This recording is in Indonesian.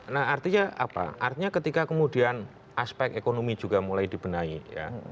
nah artinya apa artinya ketika kemudian aspek ekonomi juga mulai dibenahi ya